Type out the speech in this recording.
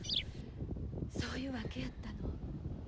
そういうわけやったの。